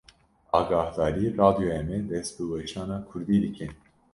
Agahdarî! Radyoya me dest bi weşana Kurdî dike